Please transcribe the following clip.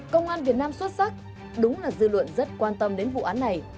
công an việt nam xuất sắc đúng là dư luận rất quan tâm đến vụ án này